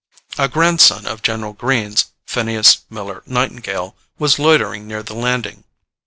A grandson of General Greene's, Phineas Miller Nightingale, was loitering near the landing.